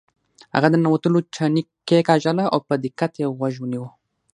هغه د ننوتلو تڼۍ کیکاږله او په دقت یې غوږ ونیو